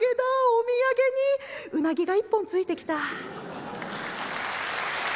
お土産にうなぎが１本ついてきた」。